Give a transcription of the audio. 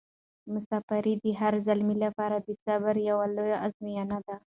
مساپري د هر زلمي لپاره د صبر یوه لویه ازموینه ده.